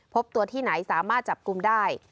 พบตัวที่ไหนสามารถจับกลุ่มได้